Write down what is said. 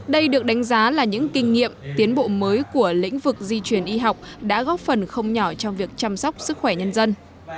đây được đánh giá là những kinh nghiệm tiến bộ mới của lĩnh vực di truyền y học đã góp phần không nhỏ trong việc chăm sóc sức khỏe nhân dân